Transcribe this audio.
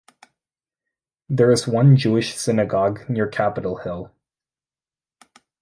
There is one Jewish synagogue near Capitol Hill.